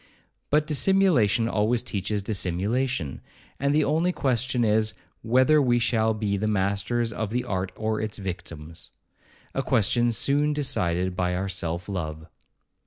But dissimulation always teaches dissimulation; and the only question is, whether we shall be the masters of the art or its victims? a question soon decided by our self love.